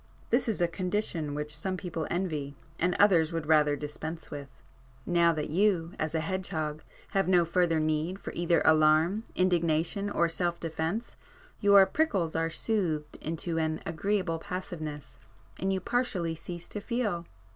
This is a condition which some people envy and others would rather dispense with. Now that you, as a hedge hog, have no further need for either alarm, indignation or self defence, your prickles are soothed into an agreeable passiveness, and you partially cease to feel.